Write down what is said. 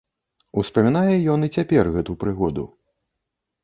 Успамінае ён і цяпер гэту прыгоду.